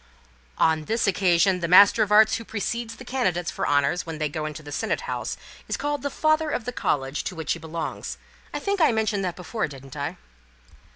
"Oh, on this occasion the Master of Arts who precedes the candidates for honours when they go into the Senate House is called the Father of the College to which he belongs. I think I mentioned that before, didn't I?"